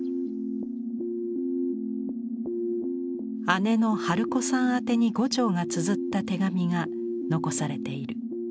姉の春子さん宛てに牛腸がつづった手紙が残されている。